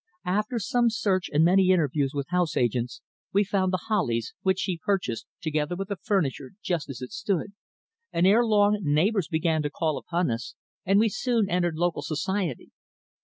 After some search and many interviews with house agents we found The Hollies, which she purchased, together with the furniture just as it stood, and ere long neighbours began to call upon us, and we soon entered local society.